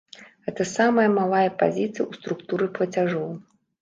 Гэта самая малая пазіцыя ў структуры плацяжоў.